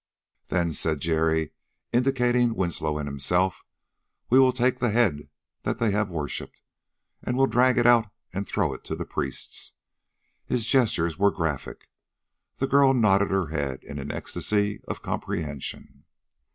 "Then," said Jerry, indicating Winslow and himself, "we will take the head that they have worshipped, and we'll drag it out and throw it to the priests." His gestures were graphic. The girl nodded her head in an ecstasy of comprehension.